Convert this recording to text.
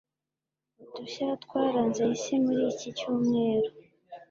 Udushya twaranze isi muri icyi cyumweru